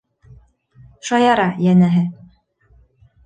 Шаяра, йәнәһе.